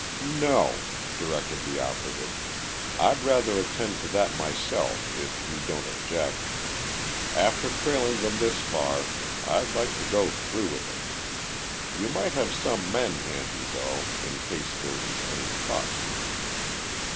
"No," directed the operative. "I'd rather attend to that myself, if you don't object. After trailing them this far, I'd like to go through with it. You might have some men handy, though, in case there's any fuss."